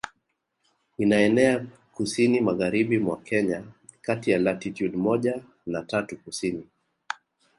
Inaenea kusini magharibi mwa Kenya kati ya latitude moja na tatu Kusini